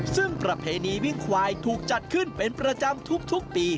ซึ่งประเพณีวิ่งควายถูกจัดขึ้นเป็นประจำทุกปี